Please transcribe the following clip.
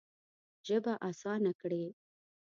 ژبه اسانه کړې.